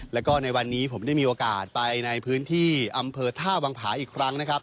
แล้วก็ในวันนี้ผมได้มีโอกาสไปในพื้นที่อำเภอท่าวังผาอีกครั้งนะครับ